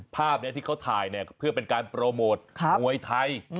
ภาพนี้ที่เขาถ่ายเนี่ยเพื่อเป็นการโปรโมทมวยไทย